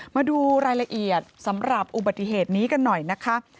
มาดูรายละเอียดสำหรับอุบัติเหตุนี้กันหน่อยนะคะ